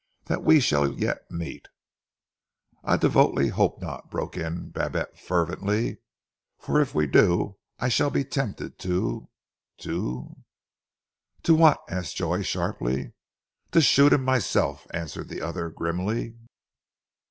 That we shall yet meet " "I devoutly hope not," broke in Babette fervently, "for if we do I shall be tempted to to " "To what?" asked Joy sharply. "To shoot him myself," answered the other grimly.